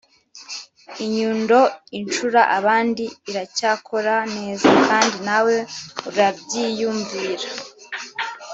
inyundo incura abandi iracyakora neza, kandi nawe urabyiyumvira".